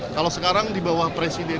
kalau sekarang di bawah presiden